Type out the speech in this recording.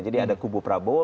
jadi ada kubu prabowo